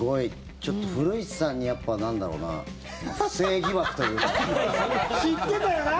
ちょっと古市さんにやっぱ、なんだろうな不正疑惑というか。